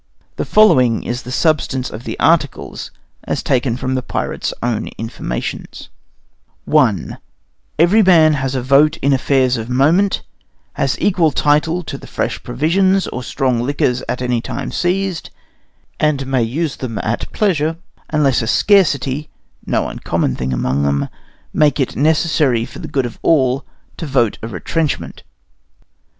The following is the substance of articles as taken from the pirates' own informations: I Every man has a vote in affairs of moment, has equal title to the fresh provisions or strong liquors at any time seized, and may use them at pleasure, unless a scarcity (no uncommon thing among them) make it necessary for the good of all to vote a retrenchment.